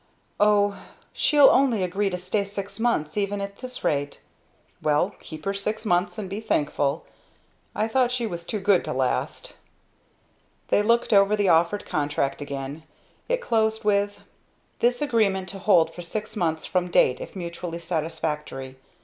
"O she'll only agree to stay six months even at this rate!" "Well keep her six months and be thankful. I thought she was too good to last!" They looked over the offered contract again. It closed with: "This agreement to hold for six months from date if mutually satisfactory.